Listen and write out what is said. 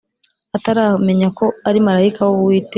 ataramenya ko ari marayika w Uwiteka